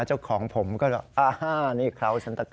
เจ้าของผมก็ล่ะอ่านี่คราวสันตะครอส